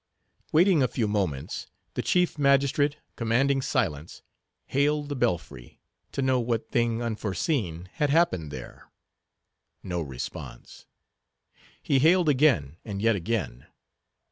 Waiting a few moments, the chief magistrate, commanding silence, hailed the belfry, to know what thing unforeseen had happened there. No response. He hailed again and yet again.